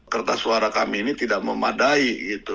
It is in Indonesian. kertas suara kami ini tidak memadai